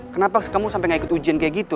kenapa kamu sampai gak ikut ujian kayak gitu